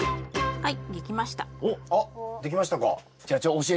はい。